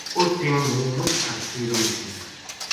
اُس ٹیم ہوں مُچ ہستی رہوں تھی